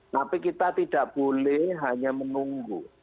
tapi kita tidak boleh hanya menunggu